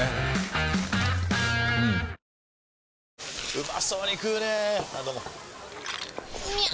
うまそうに食うねぇあどうもみゃう！！